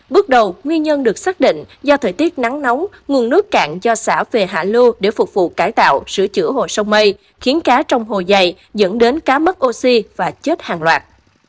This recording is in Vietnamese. bước đầu nguyên nhân được xác định do thời tiết nắng nóng nguồn nước cạn do xã về hạ lưu để phục vụ cải tạo sửa chữa hồ sông mây khiến cá trong hồ dày dẫn đến cá mất oxy và chết hàng loạt